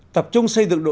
tập trung xây dựng đảng